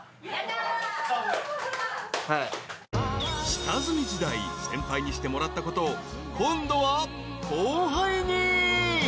［下積み時代先輩にしてもらったことを今度は後輩に］